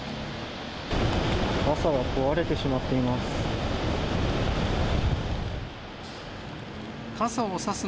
傘が壊れてしまっています。